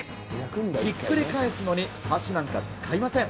ひっくり返すのに箸なんか使いません。